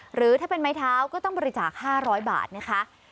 หรือถ้าเป็นไม้เท้าก็ต้องบริจาค๕๐๐บาทนะคะ